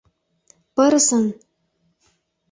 «Пырысын!»